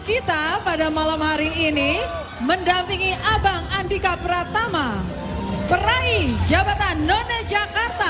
kita pada malam hari ini mendampingi abang andika pratama peraih jabatan none jakarta